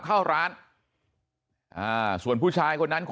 ไม่รู้ตอนไหนอะไรยังไงนะ